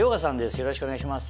よろしくお願いします。